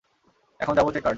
এখন যাব চেককার্ট।